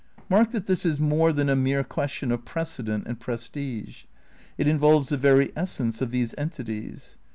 Mark that this is more than a mere question of precedent and prestige ; it involves the very essence of these entities.